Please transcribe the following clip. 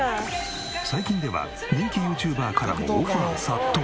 最近では人気ＹｏｕＴｕｂｅｒからもオファー殺到。